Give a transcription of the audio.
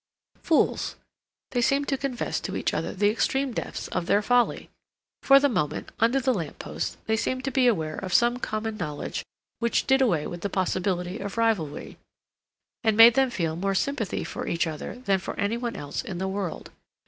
Fools! They seemed to confess to each other the extreme depths of their folly. For the moment, under the lamp post, they seemed to be aware of some common knowledge which did away with the possibility of rivalry, and made them feel more sympathy for each other than for any one else in the world.